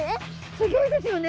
すギョいですよね。